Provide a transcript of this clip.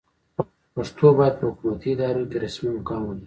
پښتو باید په حکومتي ادارو کې رسمي مقام ولري.